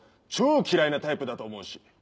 超嫌いなタイプだと思うし。